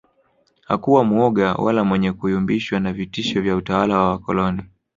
Hakuwa muoga wala mwenye kuyumbishwa na vitisho vya utawala wa wakoloni